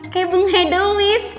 kayak bung hedda lewis